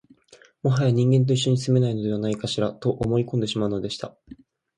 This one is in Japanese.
もはや人間と一緒に住めないのではないかしら、と思い込んでしまうのでした